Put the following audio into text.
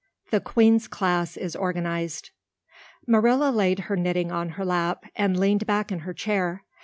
The Queens Class Is Organized MARILLA laid her knitting on her lap and leaned back in her chair.